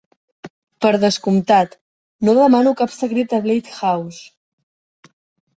Per descomptat, no demano cap secret a Bleak House.